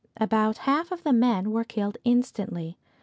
About half of the men were killed instantly.